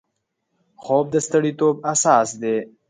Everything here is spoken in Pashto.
خوب د سړیتوب اساس دی